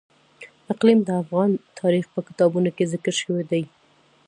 اقلیم د افغان تاریخ په کتابونو کې ذکر شوی دي.